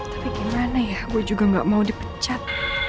tapi gimana ya gue juga gak mau dipecat